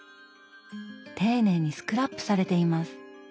丁寧にスクラップされています。